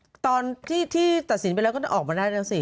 แต่ตอนที่ตัดสินไปแล้วก็จะออกมาได้แล้วสิ